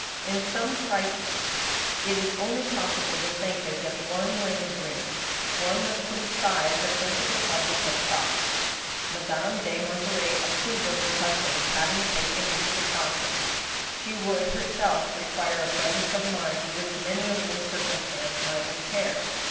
In some crises it is only possible to think as if one were in a dream, one must put aside the principal subject of thought. Mad ame de Monterey approved of her husband's having taken these Il6 THE STEEL HAMMER. precautions. She would herself require a presence of mind which many a little circumstance might impair.